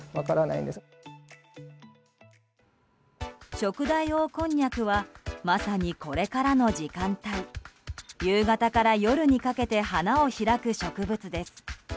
ショクダイオオコンニャクはまさにこれからの時間帯夕方から夜にかけて花を開く植物です。